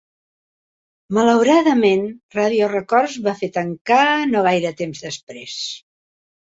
Malauradament, Radio Records va fer tancar no gaire temps després.